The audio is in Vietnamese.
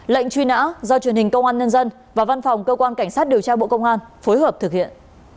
lệnh truy nã do truyền hình công an nhân dân và văn phòng cơ quan cảnh sát điều tra bộ công an phối hợp thực hiện